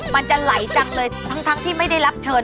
มันจะไหลจังเลยทั้งที่ไม่ได้รับเชิญ